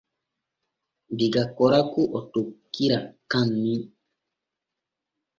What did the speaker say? Diga Koraku o tokkira Kaanni.